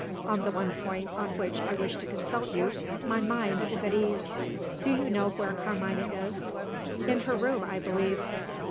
On the one point on which I wished to consult you, my mind is at ease. Do you know where Carmina is?" "In her room, I believe."